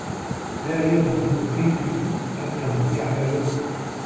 لا يبدو المكيف أنه يعمل.